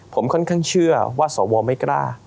ผมค่อนข้างเชื่อว่าสวไม่กล้า